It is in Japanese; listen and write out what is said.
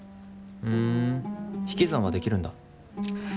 ふん引き算はできるんだ。